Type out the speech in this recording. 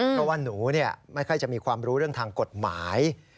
เพราะว่าหนูไม่ค่อยจะมีความรู้เรื่องทางกฎหมาย